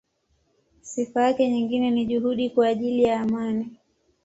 Sifa yake nyingine ni juhudi kwa ajili ya amani.